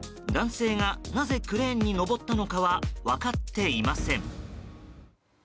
男性がなぜクレーンに登ったかは分かっていません。